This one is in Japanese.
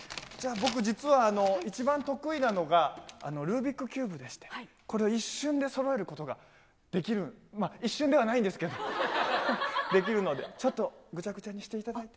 僕、実は一番得意なのが、ルービックキューブでして、これを一瞬でそろえることができる、一瞬ではないんですけど、できるので、ちょっとぐちゃぐちゃにしていただいて。